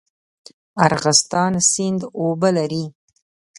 ارغستان سیند اوبه لري؟